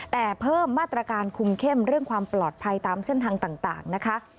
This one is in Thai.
แต่เพิ่มมาตรการคุมเข้มเรื่องความปลอดภัยตามเส้นทางต่างนะคะ